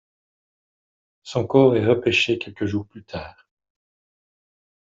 Son corps est repêché quelques jours plus tard.